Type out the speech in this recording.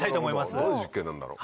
どういう実験なんだろう？